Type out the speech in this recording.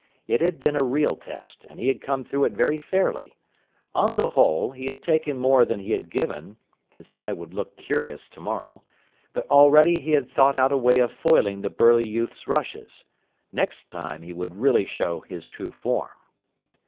It had been a real test, and he had come through it very fairly. On the whole, he had taken more than he had given his eye would look curious tomorrow but already he had thought out a way of foiling the burly youth's rushes. Next time he would really show his true form.